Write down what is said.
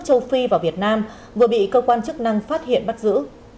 châu phi và việt nam vừa bị cơ quan chức năng phát hiện bắt giữ